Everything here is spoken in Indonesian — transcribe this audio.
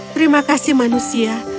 terima kasih manusia